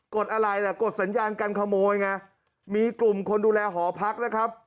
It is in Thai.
ดอะไรล่ะกดสัญญาการขโมยไงมีกลุ่มคนดูแลหอพักนะครับ